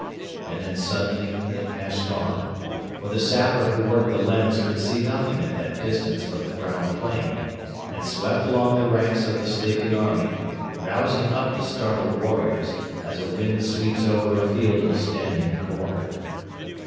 And then suddenly it passed on for the sapper who worked the lens could see nothing at that distance but the brown plain and swept along the ranks of the sleeping army, rousing up the startled warriors, as a wind sweeps over a field of standing corn.